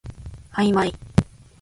あいまい